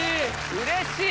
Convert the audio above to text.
うれしい！